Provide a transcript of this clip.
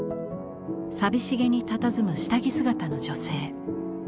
寂しげにたたずむ下着姿の女性。